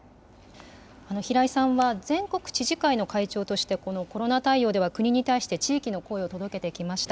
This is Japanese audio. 平井さんは全国知事会の会長として、コロナ対応では国に対して地域の声を届けてきました。